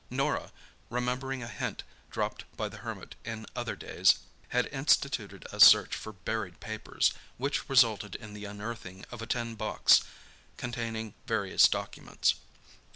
Norah, remembering a hint dropped by the Hermit in other days, had instituted a search for buried papers, which resulted in the unearthing of a tin box containing various documents.